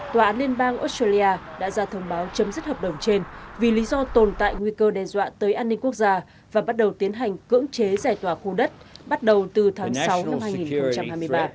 tòa án liên bang australia đã ra thông báo chấm dứt hợp đồng trên vì lý do tồn tại nguy cơ đe dọa tới an ninh quốc gia và bắt đầu tiến hành cưỡng chế giải tỏa khu đất bắt đầu từ tháng sáu năm hai nghìn hai mươi ba